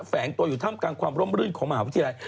แฝงตัวอยู่ท่ามกลางความร่มรื่นของมหาวิทยาลัย